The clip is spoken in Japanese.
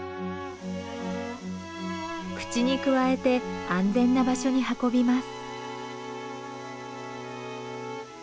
口にくわえて安全な場所に運びます。